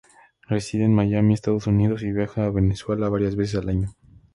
Reside en Miami, Estados Unidos y viaja a Venezuela varias veces al año.